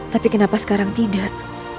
tapi kenapa sekarang tidak